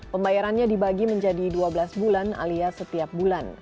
pembayarannya dibagi menjadi dua belas bulan alias setiap bulan